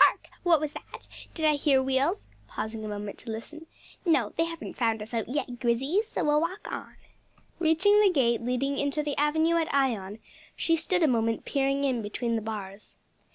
Hark! what was that? did I hear wheels?" pausing a moment to listen. "No, they haven't found us out yet, Grizzy, so we'll walk on." Reaching the gate leading into the avenue at Ion, she stood a moment peering in between the bars.